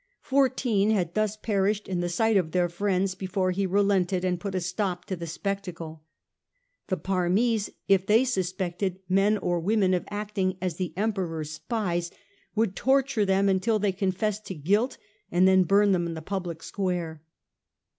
Fourteen had thus perished in the sight of their friends before he relented and put a stop to the spectacle. The Parmese, if they suspected man or woman of acting as the Emperor's spies, would torture them until they confessed to guilt and then burn them in the public square.